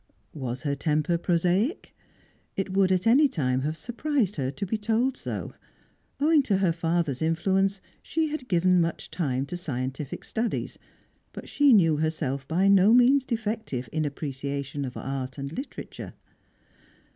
Was her temper prosaic? It would at any time have surprised her to be told so. Owing to her father's influence, she had given much time to scientific studies, but she knew herself by no means defective in appreciation of art and literature.